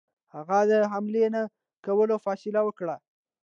هغه د حملې نه کولو فیصله وکړه.